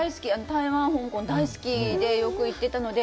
台湾、香港大好きでよく行ってたので。